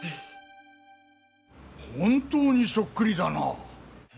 本当にそっくりだな。